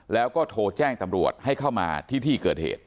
แล้วก็โทรแจ้งตำรวจให้เข้ามาที่ที่เกิดเหตุ